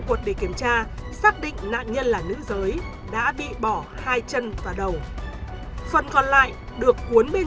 cuột để kiểm tra xác định nạn nhân là nữ giới đã bị bỏ hai chân và đầu phần còn lại được cuốn bên